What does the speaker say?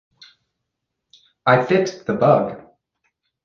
I fixed the bug